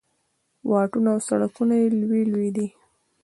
واټونه او سړکونه یې لوی لوی دي.